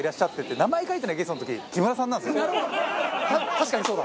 確かにそうだ。